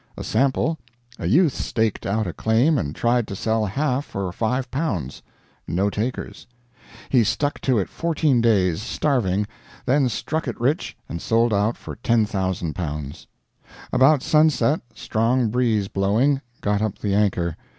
A sample: a youth staked out a claim and tried to sell half for L5; no takers; he stuck to it fourteen days, starving, then struck it rich and sold out for L10,000 .... About sunset, strong breeze blowing, got up the anchor.